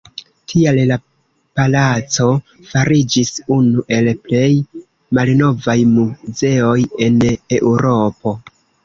Tial la palaco fariĝis unu el plej malnovaj muzeoj en Eŭropo.